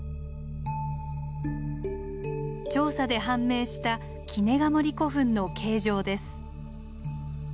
調査で判明した杵ガ森古墳の形状です。